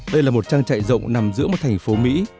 đây là một trang trại rộng nằm giữa một thành phố mỹ